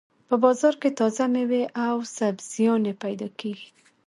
په بازار کې تازه مېوې او سبزيانې پیدا کېږي.